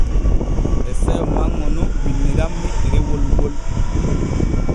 E seyo manŋo nun winnirammi ɗerewol ŋol.